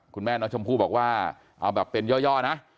คุณแม่น้องชมพู่บอกว่าเอาแบบเป็นย่อนะ